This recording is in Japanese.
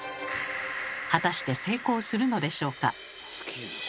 果たして成功するのでしょうか。